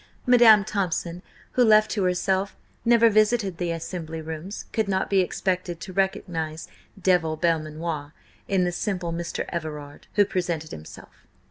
Madam Thompson, who left to herself, never visited the Assembly Rooms, could not be expected to recognise Devil Belmanoir in the simple Mr. Everard who presented himself.